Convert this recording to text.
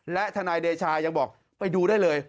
และทนายเดชายังบอกไปดูได้เลย